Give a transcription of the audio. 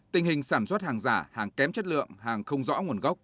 tình hình sản xuất hàng giả hàng kém chất lượng hàng không rõ nguồn gốc